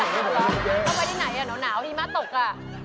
เข้าไปที่ไหนหนาวหิมะตกอ่ะ